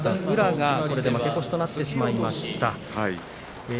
宇良が負け越しとなってしまいました。